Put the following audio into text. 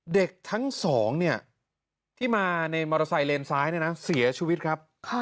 เด็กทั้งสองที่มาในมอเตอร์ไซค์เลนซ้ายเนี่ยนะเสียชีวิตครับ